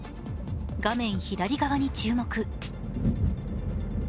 画面左側に注目。